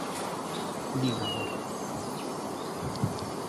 Nin agora.